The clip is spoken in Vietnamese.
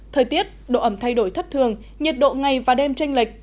thời tiết độ ẩm thay đổi thất thường nhiệt độ ngày và đêm tranh lệch